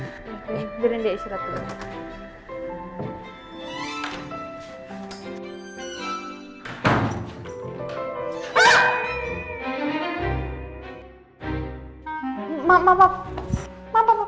oke berin dia istirahat dulu